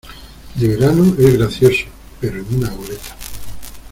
de verano es gracioso, pero en una goleta